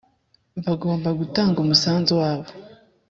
bagomba gutanga umusanzu wabo